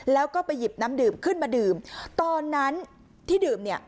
แล้วก็ไปหยิบน้ำดื่มขึ้นมาดื่มตอนนั้นที่ดื่มเนี่ย